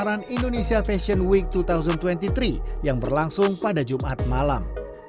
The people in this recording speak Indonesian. gelaran indonesia fashion week dua ribu dua puluh tiga yang berlangsung pada jumat malam